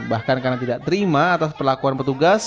bahkan karena tidak terima atas perlakuan petugas